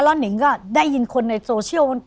แล้วนิงก็ได้ยินคนในโซเชียล